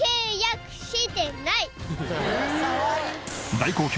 大好評